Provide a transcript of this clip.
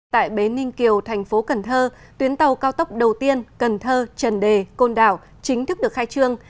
tại bến ninh kiều thành phố cần thơ tuyến tàu cao tốc đầu tiên cần thơ trần đề côn đảo chính thức được khai trương